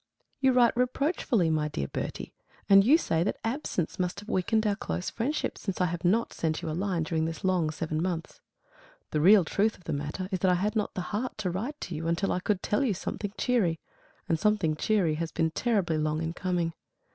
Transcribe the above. You write reproachfully, my dear Bertie, and you say that absence must have weakened our close friendship, since I have not sent you a line during this long seven months. The real truth of the matter is that I had not the heart to write to you until I could tell you something cheery; and something cheery has been terribly long in coming.